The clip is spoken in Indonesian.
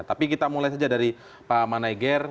tapi kita mulai saja dari pak manager